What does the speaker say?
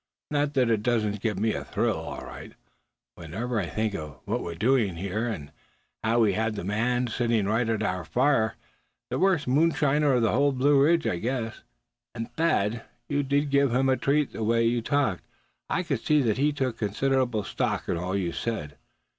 Not that it doesn't give me a thrill, all right, whenever I think of what we're doing here, and how we had that man sitting at our fire, the worst moonshiner of the whole Blue Ridge, I guess. And Thad, you did give him a treat, the way you talked. I could see that he took considerable stock in all you said.